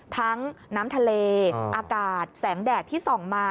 ทั้งน้ำทะเลอากาศแสงแดดที่ส่องมา